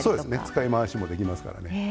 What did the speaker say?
使い回しもできますからね。